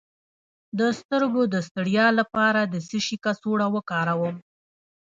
د سترګو د ستړیا لپاره د څه شي کڅوړه وکاروم؟